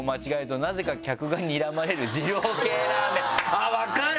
あっ分かる！